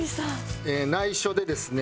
内緒でですね